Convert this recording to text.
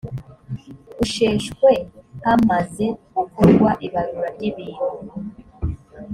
usheshwe hamaze gukorwa ibarura ry ibintu